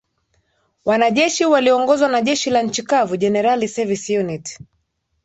Wanajeshi waliongozwa na Jeshi la Nchi Kavu General Service Unit